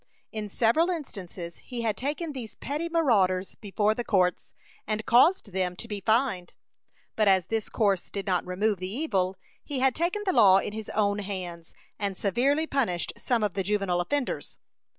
In several instances he had taken these petty marauders before the courts, and caused them to be fined; but as this course did not remove the evil, he had taken the law in his own hands, and severely punished some of the juvenile offenders.